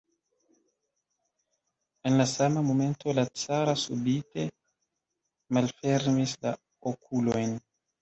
En la sama momento la caro subite malfermis la okulojn.